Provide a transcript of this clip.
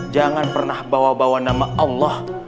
jangan pernah bawa bawa nama allah